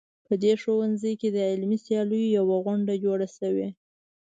په دې ښوونځي کې د علمي سیالیو یوه غونډه جوړه شوې